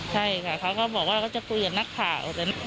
ใช่ค่ะเขาก็บอกว่าเขาจะคุยกับนักข่าว